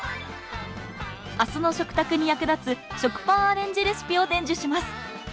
明日の食卓に役立つ食パンアレンジレシピを伝授します！